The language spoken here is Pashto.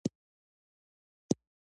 ایا د روغتیا قدر پیژنئ؟